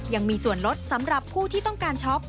ยังมีส่วนลดสำหรับผู้ที่ต้องการช็อป